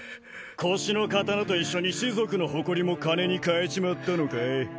腰の刀と一緒に士族の誇りも金に替えちまったのかい？